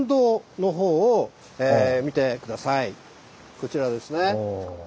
こちらですね。